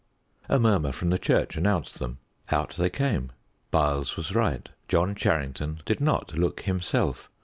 A murmur from the church announced them; out they came. Byles was right. John Charrington did not look himself.